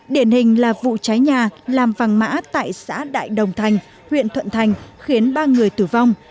điển hình là vụ cháy nhà làm vàng mã tại xã đại đồng thành huyện thuận thành khiến ba người tử vong